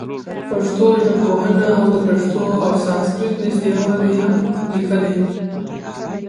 پښتو ژبښودنه او د پښتو او سانسکریټ نزدېوالی هم لیکلي.